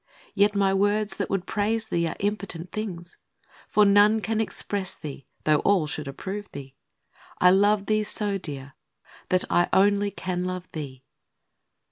Yet my words that would praise thee are impotent things, For none can express thee, though all should approve thee ! I love thee so, Dear, that I only can love thee.